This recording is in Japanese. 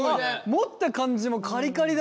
持った感じもカリカリだ。